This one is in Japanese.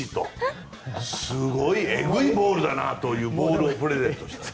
すごいえぐいボールだなというボールをプレゼントした。